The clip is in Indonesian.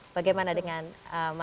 bagaimana dengan mas gamal